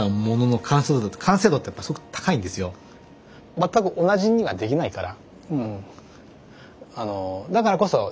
全く同じにはできないから。